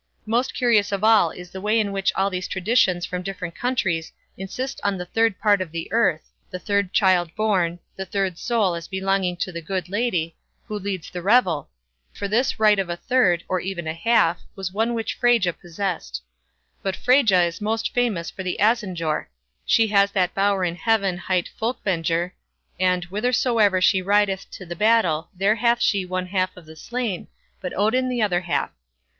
Most curious of all is the way in which all these traditions from different countries insist on the third part of the earth, the third child born, the third soul as belonging to the "good lady", who leads the revel; for this right of a third, or even of a half, was one which Freyja possessed. "But Freyja is most famous of the Asynjor. She has that bower in heaven hight Fólkvángr, and "whithersoever she rideth to the battle, there hath she one half of the slain; but Odin the other half."